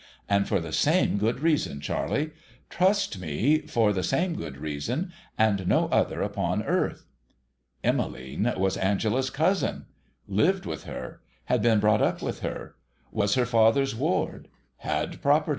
And for the same good reason, Charley j trust me, for the same good reason, and no other upon earth !' Emmeline was Angela's cousin. Lived with her. Had been brought up with her. Was her father's ward. Had property.